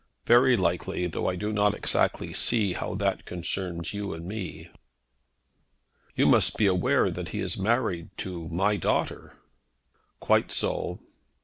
"Very likely, though I do not exactly see how that concerns you and me." "You must be aware that he is married to my daughter." "Quite so."